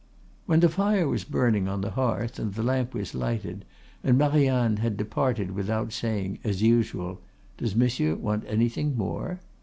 When the fire was burning on the hearth, and the lamp was lighted, and Marianne had departed without saying, as usual, "Does Monsieur want anything more?"